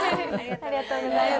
ありがとうございます。